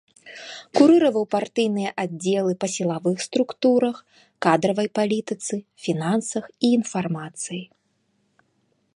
Курыраваў партыйныя аддзелы па сілавых структурах, кадравай палітыцы, фінансах і інфармацыі.